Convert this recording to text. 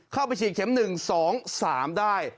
เข้าไปฉีดเข็ม๑๒๓ได้